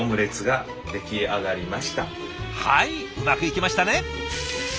はいうまくいきましたね。